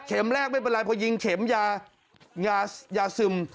เข็มแรกไม่เป็นไรเพราะยิงเข็มยาซึม